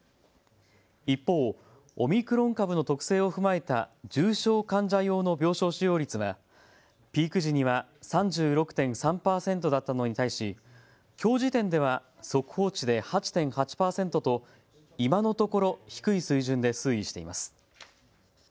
一方、オミクロン株の特性を踏まえた重症患者用の病床使用率はピーク時には３６．３％だったのに対しきょう時点では速報値で８．８％と今のところ低い水準で推移しています。